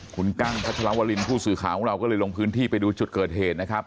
คุณกั้งพัชรวรินผู้สื่อข่าวของเราก็เลยลงพื้นที่ไปดูจุดเกิดเหตุนะครับ